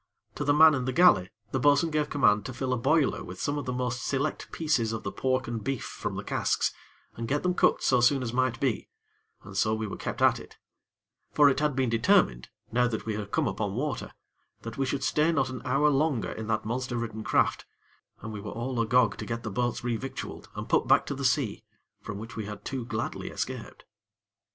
To the man in the galley, the bo'sun gave command to fill a boiler with some of the most select pieces of the pork and beef from the casks and get them cooked so soon as might be, and so we were kept at it; for it had been determined now that we had come upon water that we should stay not an hour longer in that monster ridden craft, and we were all agog to get the boats revictualled, and put back to the sea, from which we had too gladly escaped.